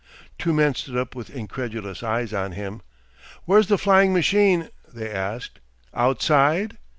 Two men stood up with incredulous eyes on him. "Where's the flying machine?" they asked; "outside?"